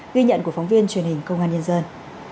ghi nhận của phóng viên truyền hình công an nhân dân